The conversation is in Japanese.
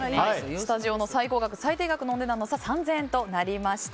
スタジオの最高額、最低額の差は３０００円となりました。